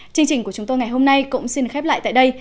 chương trình của chúng tôi ngày hôm nay cũng xin khép lại tại đây